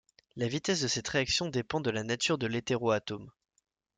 La vitesse de cette réaction dépend de la nature de l'hétéroatome.